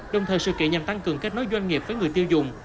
đồng thời sự kiện nhằm tăng cường kết nối doanh nghiệp với người tiêu dùng